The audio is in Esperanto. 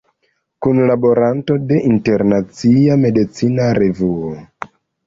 Kunlaboranto de Internacia Medicina Revuo.